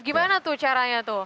gimana tuh caranya tuh